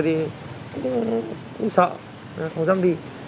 thì cũng sợ không dám đi